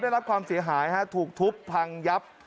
ได้รับความเสียหายถูกทุบพังยับ